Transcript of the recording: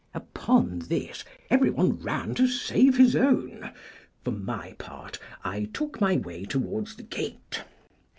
Upon this everyone ran to save his own; for my part, I took my way towards the gate.